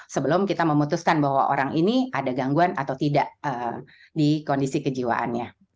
sebelum kita memutuskan bahwa orang ini ada gangguan atau tidak di kondisi kejiwaannya